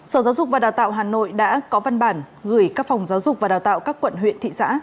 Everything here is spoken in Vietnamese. sở giáo dục và đào tạo hà nội đã có văn bản gửi các phòng giáo dục và đào tạo các quận huyện thị xã